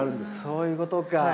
そういうことか。